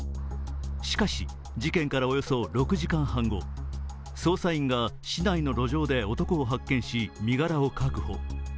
しかし、事件からおよそ６時間半後、捜査員が市内の路上で男を発見し身柄を確保。